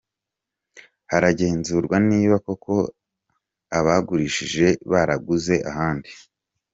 Haragenzurwa niba koko abagurishije baraguze ahandi.